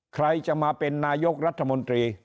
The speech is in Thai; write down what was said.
ใครจะมาเป็นนายกรัฐมนตรี